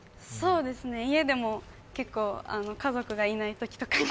家でも結構家族がいないときとかに